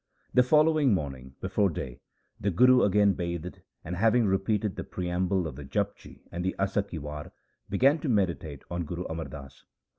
The following morning before day the Guru again bathed, and, having repeated the preamble of the Japji and the Asa ki War, began to meditate on Guru Amar Das.